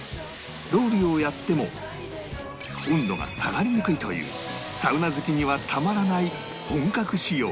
ロウリュをやっても温度が下がりにくいというサウナ好きにはたまらない本格仕様